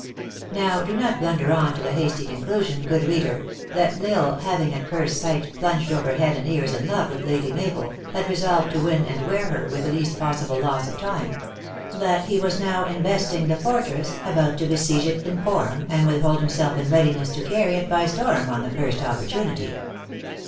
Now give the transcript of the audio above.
Now do not blunder on to the hasty conclusion, good reader, that L Isle, having, at first sight, plunged over head and ears in love with Lady Mabel, had re solved to win and wear her with the least possible loss of time ; that he was now investing the fortress, about to besiege it in form, and would hold himself in read iness to carry it by storm on the first opportunity.